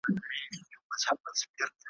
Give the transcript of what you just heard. په بچو چي یې خوشاله زیږوه یې `